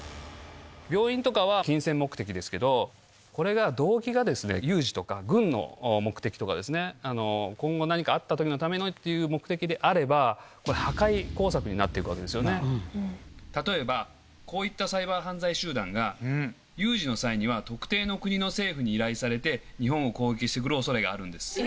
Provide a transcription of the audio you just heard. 病院とかは金銭目的ですけど、これが動機がですね、有事とか、軍の目的とかですね、今後、何かあったときのためのっていう目的であれば、これ、破壊工作に例えば、こういったサイバー犯罪集団が、有事の際には、特定の国の政府に依頼されて、日本を攻撃してくるおそれがあるんです。